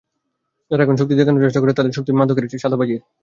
যারা এখন শক্তি দেখানোর চেষ্টা করছে, তাদের শক্তি মাদকের, চাঁদাবাজির টাকার শক্তি।